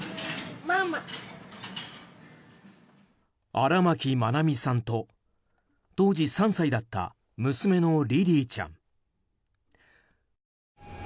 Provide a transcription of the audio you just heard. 荒牧愛美さんと当時３歳だった娘のリリィちゃん。